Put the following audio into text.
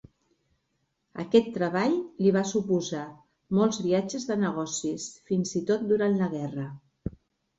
Aquest treball li va suposar molts viatges de negocis, fins i tot durant la guerra.